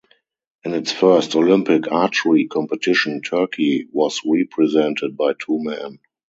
In its first Olympic archery competition, Turkey was represented by two men.